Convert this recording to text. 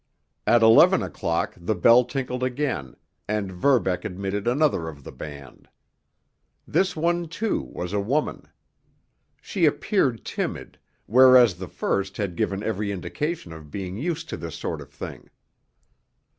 At eleven o'clock the bell tinkled again, and Verbeck admitted another of the band. This one, too, was a woman. She appeared timid, whereas the first had given every indication of being used to this sort of thing.